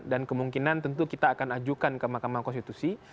dan kemungkinan tentu kita akan ajukan ke mahkamah konstitusi